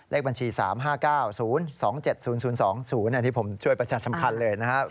เลขบัญชี๓๕๙๐๒๗๐๐๒๐อันนี้ผมช่วยประชาสัมพันธ์เลยนะครับ